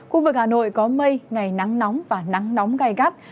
khu vực hà nội có mây ngày nắng nóng và nắng nóng gai gắt